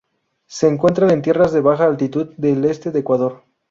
Se encuentran en tierras de baja altitud del este de Ecuador.